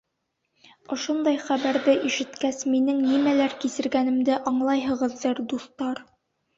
Ошондай хәбәрҙе ишеткәс, минең нимәләр кисергәнемде аңлайһығыҙҙыр, дуҫтар.